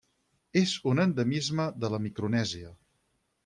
És un endemisme de la Micronèsia.